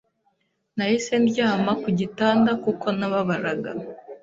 Nahise ndyama ku gitanda kuko nababaraga